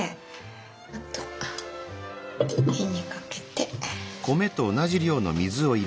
あとは火にかけて。